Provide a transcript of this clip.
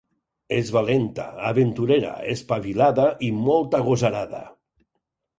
És valenta, aventurera, espavilada i molt agosarada.